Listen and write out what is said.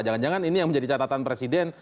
jangan jangan ini yang menjadi catatan presiden